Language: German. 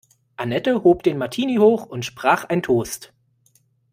Annette hob den Martini hoch und sprach ein Toast.